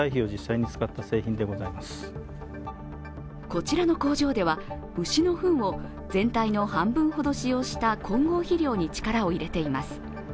こちらの工場では、牛のふんを全体の半分ほど使用した混合肥料に力を入れています。